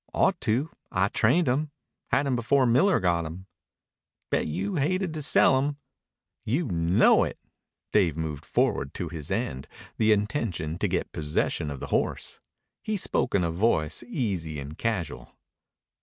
"Ought to. I trained him. Had him before Miller got him." "Bet you hated to sell him." "You know it." Dave moved forward to his end, the intention to get possession of the horse. He spoke in a voice easy and casual.